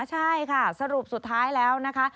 ใช่ค่ะสรุปสุดท้ายแล้วนะคะ